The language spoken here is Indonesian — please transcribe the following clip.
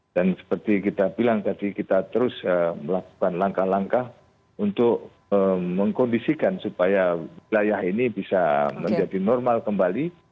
dan seperti kita bilang tadi kita terus melakukan langkah langkah untuk mengkondisikan supaya wilayah ini bisa menjadi normal kembali